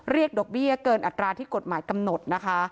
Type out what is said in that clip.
ดอกเบี้ยเกินอัตราที่กฎหมายกำหนดนะคะ